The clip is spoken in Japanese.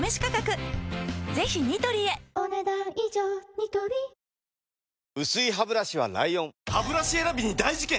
ニトリ薄いハブラシは ＬＩＯＮハブラシ選びに大事件！